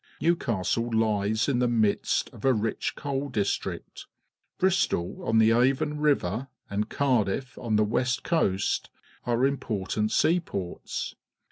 New castl e lies in the midst of a rich coal_ district. Bristo l on the Avon River and Cardiff, on the west coast are important seaports.